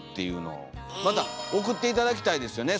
また送って頂きたいですよね